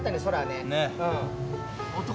ねっ。